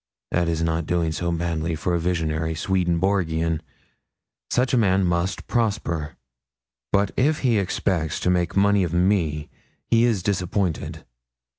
That is not doing so badly for a visionary Swedenborgian. Such a man must prosper. But if he expected to make money of me, he is disappointed.